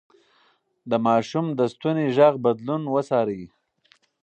د ماشوم د ستوني غږ بدلون وڅارئ.